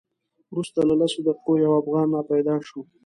وروسته له لسو دقیقو یو افغان را پیدا شو.